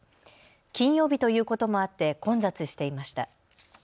金曜日ということもあって混雑していました。